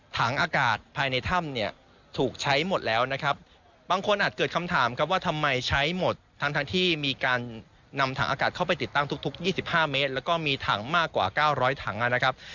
ถังอากาศภายในถ้ำเนี่ยถูกใช้หมดแล้วนะครับบางคนอาจเกิดคำถามครับว่าทำไมใช้หมดทั้งที่มีการนำถังอากาศเข้าไปติดตั้งทุก๒๕เมตรแล้วก็มีถังมากกว่า๙๐๐ถังนะครับ